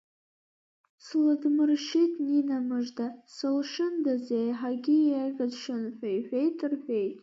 Слыдмыршьит Нина мыжда, сылшьындаз еиҳагьы еиӷьысшьон ҳәа иҳәеит рҳәеит.